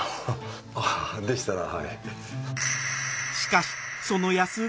ああでしたらはい。